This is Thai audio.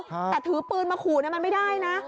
แต่ถือปืนมาขู่มันไม่ได้นะ